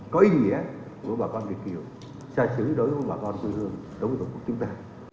có ý nghĩa của bà con việt kiều xa xứ đối với bà con tư hương đối với tổ quốc chúng ta